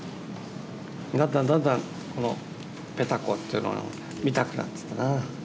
だんだんだんだんこのペタコっていうのが見たくなってたなあ。